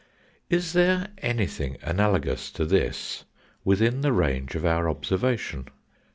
Is there anything analogous to this within the range of our observation